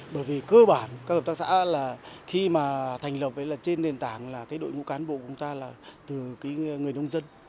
bởi vì cơ bản các hợp tác xã là khi mà thành lập trên nền tảng là cái đội ngũ cán bộ của chúng ta là từ cái người nông dân